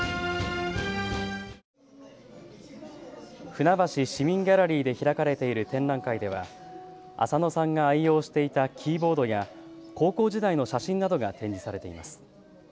船橋市民ギャラリーで開かれている展覧会では、浅野さんが愛用していたキーボードや高校時代の写真などが展示されています。